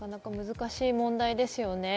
難しい問題ですね。